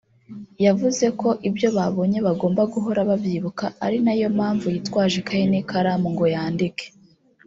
yavuze ko ibyo babonye bagomba guhora babyibuka ari nayo mpamvu yitwaje ikaye n’ikaramu ngo yandike